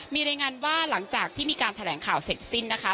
มีรายงานว่าหลังจากที่มีการแถลงข่าวเสร็จสิ้นนะคะ